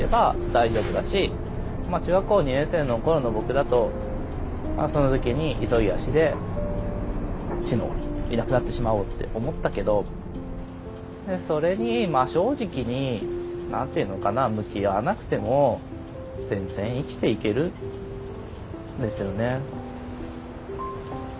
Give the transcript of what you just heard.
中学校２年生の頃の僕だとその時に急ぎ足で死のういなくなってしまおうって思ったけどそれに真正直に何て言うのかな向き合わなくても全然生きていけるんですよね。